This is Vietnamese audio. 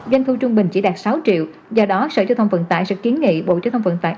doanh thu trung bình chỉ đạt sáu triệu do đó sở giao thông vận tải sẽ kiến nghị bộ giao thông vận tải